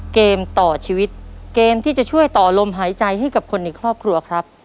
เกมต่อชีวิตเกมที่จะช่วยต่อลมหายใจให้กับคนในครอบครัวครับ